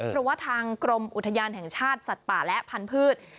เพราะว่าทางกรมอุทยานแห่งชาติสัตว์ป่าและพันธุ์